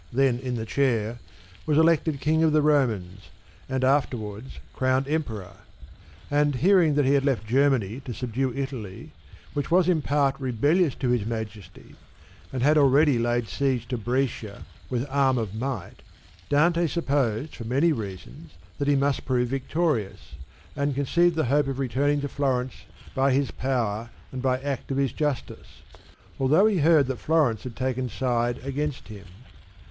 then in the 35 Chair, was elected King of the Romans, and afterwards crowned Emperor. And hearing that he had left Germany to subdue Italy, which was in part rebellious to his Majesty, and had already laid siege to Brescia with arm of might, Dante supposed for many reasons that he must prove victorious, and conceived the hope of returning to Florence by his power and by act of his justice, although he heard that Florence had taken side against him.